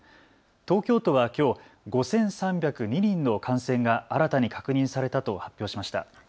東京都はきょう５３０２人の感染が新たに確認されたと発表しました。